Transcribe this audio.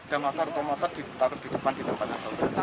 dan motor motor ditaruh di depan di tempatnya